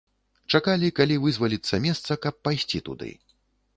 Чакалі, калі вызваліцца месца, каб пайсці туды.